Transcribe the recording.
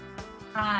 はい。